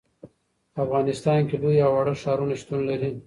په افغانستان کې لوی او واړه ښارونه شتون لري.